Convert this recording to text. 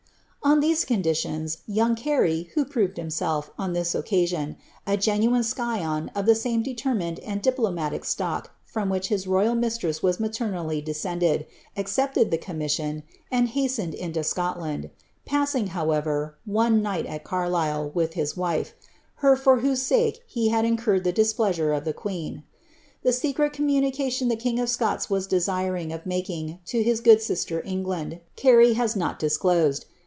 "" On these conditions, young Carey, who proved himself, on this occa ioDf a genuine scion of the same determined and diplomatic stock from rhich his royal mistress was maternally descended, accepted the com Bismon, and hastened into Scotland, passing, however, one night at Misle, with his wife, her for whose sake he had incurred the dis leasure of the queen. The secret communication the king of Scots f9M desirous of making to his good sister England, Carey has not dis loaed.